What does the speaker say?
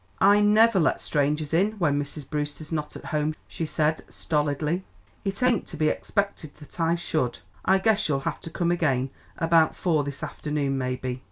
"I never let strangers in when Mrs. Brewster's not at home," she said stolidly. "It ain't to be expected that I should. I guess you'll have to come again, about four this afternoon, maybe."